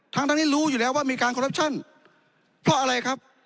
ทั้งทั้งนี้รู้อยู่แล้วว่ามีการคอรัปชั่นเพราะอะไรครับ